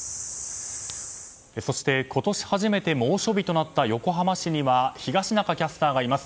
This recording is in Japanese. そして、今年初めて猛暑日となった横浜市には東中キャスターがいます。